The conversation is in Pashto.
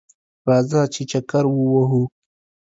راځه ! چې چکر ووهو